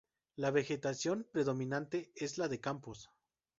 La vegetación predominante es la de campos.